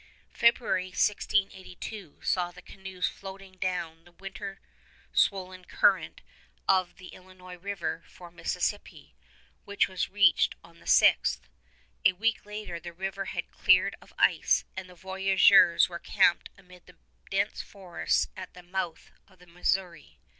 February of 1682 saw the canoes floating down the winter swollen current of the Illinois River for the Mississippi, which was reached on the 6th. A week later the river had cleared of ice, and the voyageurs were camped amid the dense forests at the mouth of the Missouri.